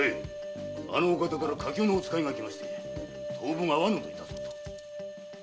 あのお方から火急のお使いが来まして当分会わぬといたそうと。